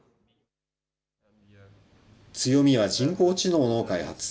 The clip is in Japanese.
強みは人工知能の開発。